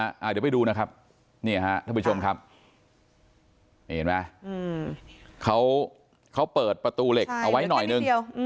เดี๋ยวไปดูนะครับนี่ฮะท่านผู้ชมครับนี่เห็นไหมเขาเปิดประตูเหล็กเอาไว้หน่อยนึง